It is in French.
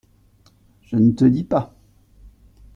Je ne te dis pas !…